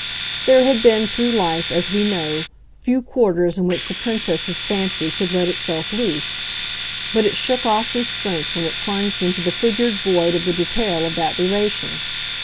There had been, through life, as we know, few quarters in which the Princess's fancy could let itself loose; but it shook off restraint when it plunged into the figured void of the detail of that relation.